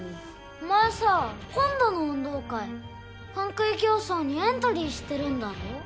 お前さ今度の運動会パン食い競争にエントリーしてるんだろ？